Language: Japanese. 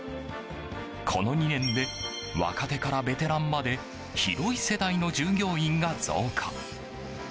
この２年で若手からベテランまで広い世代の従業員が増加。